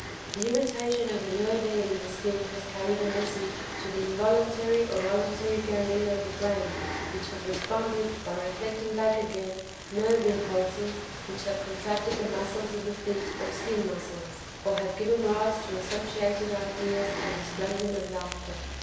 The irritation of the nerve end in the skin has carried a message to the involuntary or voluntary ganglia of the brain which has responded by reflecting back again nerve impulses which have contracted the muscles of the feet or skin muscles, or have given rise to associated ideas and explosion of laughter.